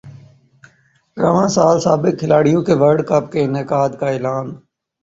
رواں سال سابق کھلاڑیوں کے ورلڈ کپ کے انعقاد کا اعلان